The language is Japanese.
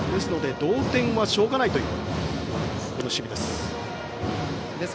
同点はしょうがないという守備です。